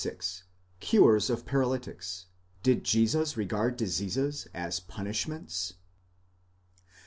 CURES OF PARALYTICS. DID JESUS REGARD DISEASES AS PUNISHMENTS